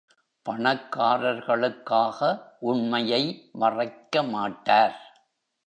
பணக்காரர்களுக்காக உண்மையை மறைக்க மாட்டார்.